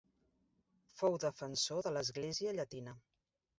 Fou defensor de l'església llatina.